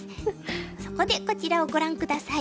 そこでこちらをご覧下さい。